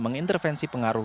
berdaya tersebut angkuh